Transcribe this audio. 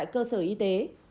cơ sở y tế